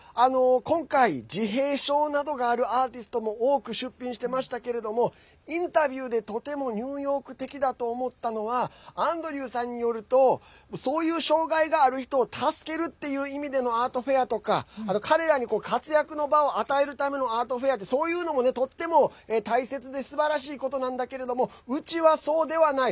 今回、自閉症などがあるアーティストも多く出品してましたけれどもインタビューで、とてもニューヨーク的だと思ったのはアンドリューさんによるとそういう障害がある人を助けるっていう意味でのアートフェアとか彼らに活躍の場を与えるためのアートフェアってそういうのもね、とっても大切ですばらしいことなんだけれどもうちは、そうではない。